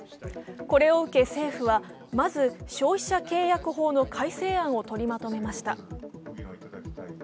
これを受け政府は、まず消費者契約法の改正案を取りまとめました。